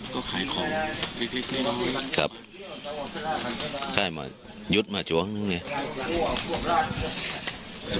ก็ขายของเล็กเล็กครับค่ะข้ายมันยุดมาจวงนั่งเนี่ย